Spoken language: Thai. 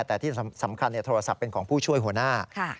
แต่ที่สำคัญโทรศัพท์เป็นของผู้ช่วยหัวหน้า